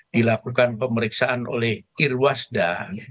dilakukan pemeriksaan oleh ir wasda